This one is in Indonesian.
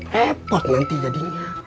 kepot nanti jadinya